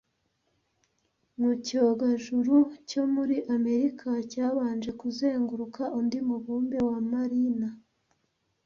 Mu , icyogajuru cyo muri Amerika cyabanje kuzenguruka undi mubumbe wa Mariner